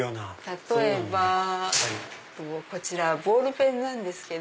例えば。こちらボールペンなんですけど。